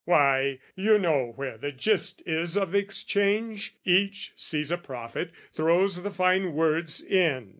Why, you know where the gist is of the exchange: Each sees a profit, throws the fine words in.